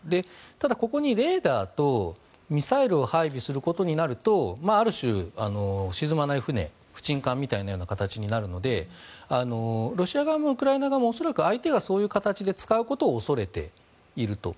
ただ、ここにレーダーとミサイルを配備することになるとある種、沈まない船浮沈艦のようなものになるのでロシア側もウクライナ側も恐らく相手がそういう形で使うことを恐れていると。